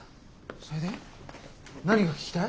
それで？何が聞きたい？